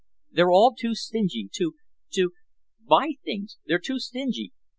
They're all too stingy—to—to—buy things—they're too stingy.